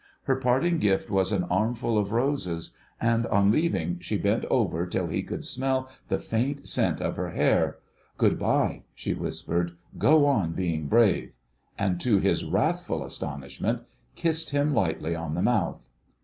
Her parting gift was an armful of roses, and on leaving she bent over till he could smell the faint scent of her hair. "Good bye," she whispered; "go on being brave," and, to his wrathful astonishment, kissed him lightly on the mouth.